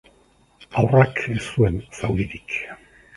Haurrak ez zuen zauririk.